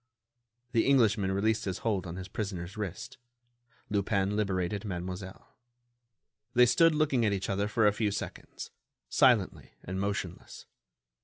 The Englishman released his hold on his prisoner's wrist. Lupin liberated Mademoiselle. They stood looking at each other for a few seconds, silently and motionless.